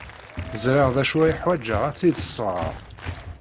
Ẓriɣ d acu ay ḥwajeɣ ad t-id-sɣeɣ.